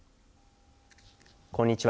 こんにちは。